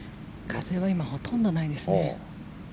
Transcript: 風は今はほとんどないですね。